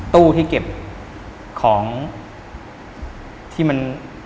ตู้ที่เก็บของที่มัน